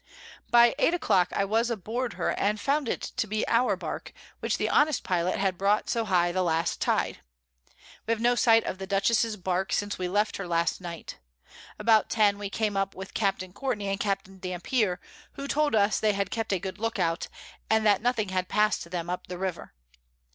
By 8 a Clock I was aboard her, and found it to be our Bark, which the honest Pilot had brought so high the last Tide. We have no sight of the Dutchess's Bark since we left her last Night. About 10 we came up with Capt. Courtney and Capt. Dampier, who told us they had kept a good Look out, and that nothing had pass'd them up the River.